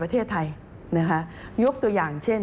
ประกอบกับต้นทุนหลักที่เพิ่มขึ้น